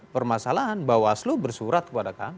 permasalahan bawah selu bersurat kepada kami